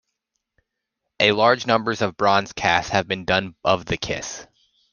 A large numbers of bronze casts have been done of "The Kiss".